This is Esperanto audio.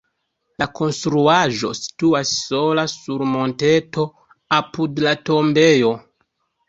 La konstruaĵo situas sola sur monteto apud la tombejo.